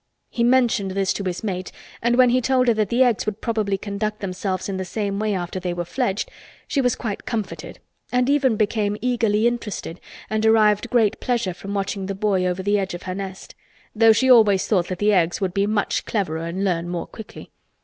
He mentioned this to his mate and when he told her that the Eggs would probably conduct themselves in the same way after they were fledged she was quite comforted and even became eagerly interested and derived great pleasure from watching the boy over the edge of her nest—though she always thought that the Eggs would be much cleverer and learn more quickly.